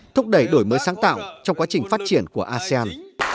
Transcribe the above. thúc đẩy đổi mới sáng tạo trong quá trình phát triển của asean